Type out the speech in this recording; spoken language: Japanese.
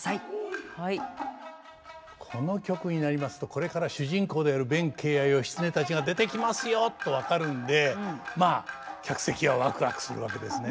この曲になりますとこれから主人公である弁慶や義経たちが出てきますよと分かるのでまあ客席はワクワクするわけですね。